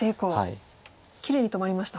きれいに止まりました？